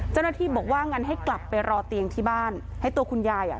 เจ้าหน้าที่บอกว่างั้นให้กลับไปรอเตียงที่บ้านให้ตัวคุณยายอ่ะ